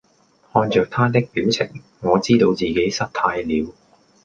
看著他的表情，我知道自己失態了！